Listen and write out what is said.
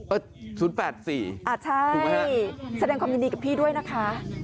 เอ้อ๐๘๔ถูกไหมครับอ่าใช่แสดงความยินดีกับพี่ด้วยนะคะ